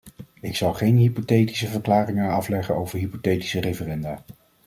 Ik zal geen hypothetische verklaringen afleggen over hypothetische referenda.